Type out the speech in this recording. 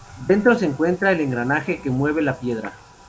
Dentro se encuentra el engranaje que mueve la piedra.